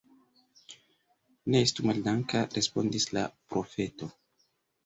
Ne estu maldanka, respondis la profeto.